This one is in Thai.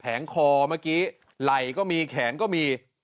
งคอเมื่อกี้ไหล่ก็มีแขนก็มี